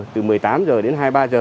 từ một mươi tám h đến hai mươi ba h